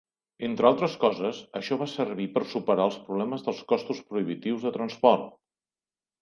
Entre altres coses, això va servir per superar els problemes dels costos prohibitius de transport.